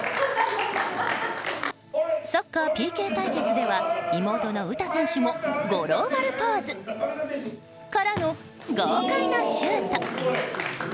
サッカーＰＫ対決では妹の詩選手も五郎丸ポーズ。からの豪快なシュート！